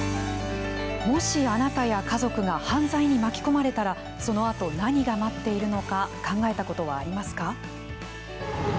もし、あなたや家族が犯罪に巻き込まれたらその後、何が待っているのか考えたことはありますか。